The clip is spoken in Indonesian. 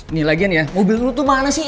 ini lagian ya mobil lo tuh mana sih